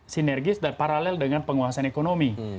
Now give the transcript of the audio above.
sinergis dan paralel dengan penguasaan ekonomi